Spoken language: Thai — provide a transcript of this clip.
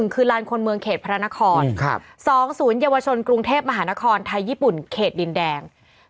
คือลานคนเมืองเขตพระนคร๒๐เยาวชนกรุงเทพมหานครไทยญี่ปุ่นเขตดินแดง